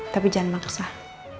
tapi jangan maksah